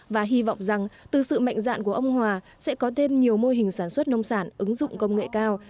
và hy vọng rằng từ sự mạnh dạn của ông hòa sẽ có thêm nhiều mô hình sản xuất nông sản ứng dụng công nghệ cao